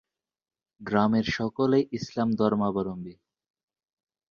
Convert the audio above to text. গ্রামের সকলেই ইসলাম ধর্মাবলম্বী।